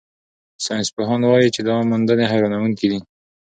ساینسپوهان وايي چې دا موندنې حیرانوونکې دي.